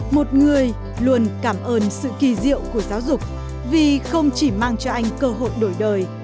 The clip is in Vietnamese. một người luôn cảm ơn sự kỳ diệu của giáo dục vì không chỉ mang cho anh cơ hội đổi đời